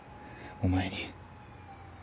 お前に。